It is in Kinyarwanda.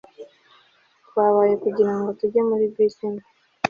Twabaye kugirango tujye muri bisi imwe